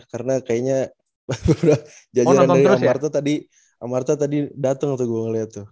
karena kayaknya jajaran dari amarto tadi dateng tuh gua ngeliat tuh